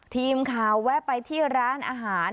ทีมข่าวแวะไปที่ร้านอาหาร